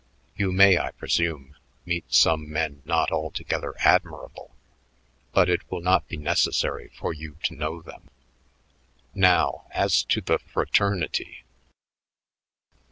You may, I presume, meet some men not altogether admirable, but it will not be necessary for you to know them. Now, as to the fraternity...."